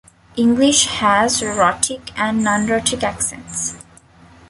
English has rhotic and non-rhotic accents.